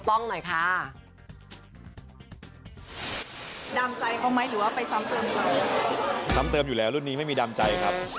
ทำเติมอยู่แล้วรุ่นนี้ไม่มีดำใจครับ